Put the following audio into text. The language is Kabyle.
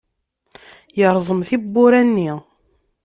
Yerẓem tiwwura-nni.